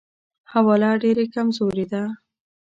حواله ډېره کمزورې ده.